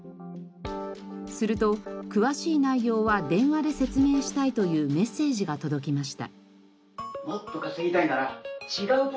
すると詳しい内容は電話で説明したいというメッセージが届きました。